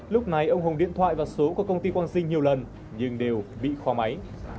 lúc này ông hùng điện thoại và số của công ty quang sinh nhiều lần nhưng đều bị khóa máy